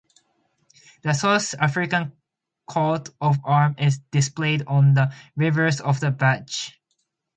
The South African coat of arms is displayed on the reverse of the badge.